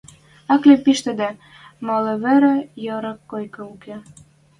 Ак ли пиштӹде, молы вӓре йӓрӓ койка уке.